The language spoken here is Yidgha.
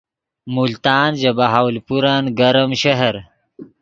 ملتان ژے بہاولپورن گرم شہر